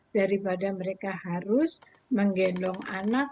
daripada mereka harus menggendong anak